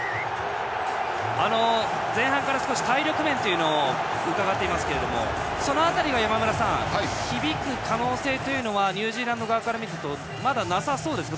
前半から少し体力面を伺っていますけれどもその辺りが山村さん響く可能性はニュージーランド側から見るとまだなさそうですか？